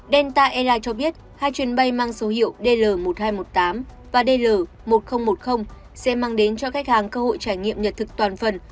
delta airlines cho biết hai chuyến bay mang số hiệu dl một nghìn hai trăm một mươi tám và dl một nghìn một mươi sẽ mang đến cho khách hàng cơ hội trải nghiệm nhật thực toàn phần